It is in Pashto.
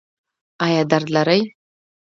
ایا درد لرئ؟